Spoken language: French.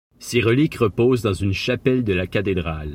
Ses reliques reposent dans une chapelle de la cathédrale.